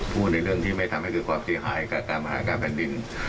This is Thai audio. พูดในเรื่องที่ไม่ทำให้เกิดความเสียหายกับตามหาการแผ่นดิน